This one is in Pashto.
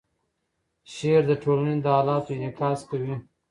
شعر د ټولنې د حالاتو انعکاس کوي.